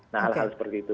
nah hal hal seperti itu